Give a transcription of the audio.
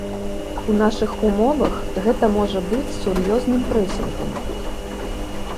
У нашых умовах гэта можа быць сур'ёзным прэсінгам.